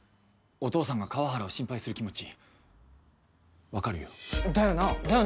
お父さんが川原を心配する気持ち分かるよだよなだよな！